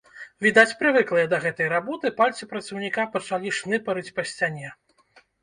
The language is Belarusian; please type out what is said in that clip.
Відаць, прывыклыя да гэтай работы, пальцы працаўніка пачалі шныпарыць па сцяне.